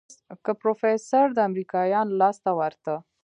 که پروفيسر د امريکايانو لاس ته ورته.